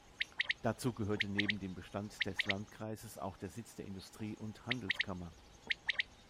Dazu gehörte neben dem Bestand des Landkreises auch der Sitz der Industrie- und Handelskammer.